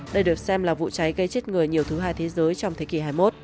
đây được xem là vụ cháy gây chết người nhiều thứ hai thế giới trong thế kỷ hai mươi một